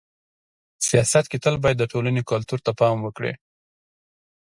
سیاست کي تل باید د ټولني کلتور ته پام وکړي.